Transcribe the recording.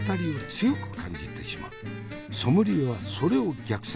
ソムリエはそれを逆算。